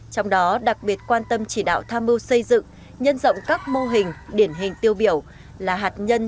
trong đó đặc biệt quan tâm chỉ đạo tham mưu xây dựng nhân rộng các mô hình điển hình tiêu biểu là hạt nhân